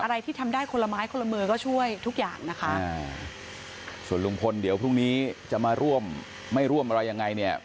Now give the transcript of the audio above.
ที่ทำได้คนละไม้คนละมือก็ช่วยทุกอย่างนะคะส่วนลุงพลเดี๋ยวพรุ่งนี้จะมาร่วมไม่ร่วมอะไรยังไงเนี่ย